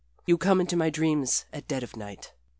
You come into my dreams at dead of night.